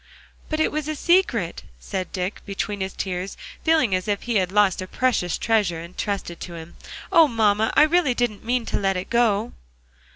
"But it was a secret," said Dick, between his tears, feeling as if he had lost a precious treasure entrusted to him. "Oh, mamma! I really didn't mean to let it go."